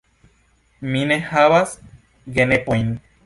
Mi ne havas genepojn.